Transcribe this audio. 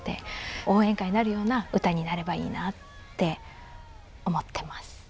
応援歌になるような歌になればいいなって思ってます。